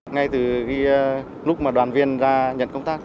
ngay từ lúc mà đoàn viên ra nhận công tác